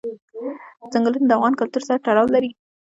ځنګلونه د افغان کلتور سره تړاو لري.